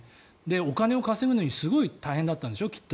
お金を稼ぐのにすごい大変だったんでしょう。